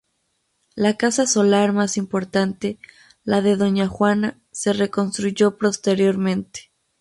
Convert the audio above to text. La casa solar más importante, la de "doña Juana", se reconstruyó posteriormente.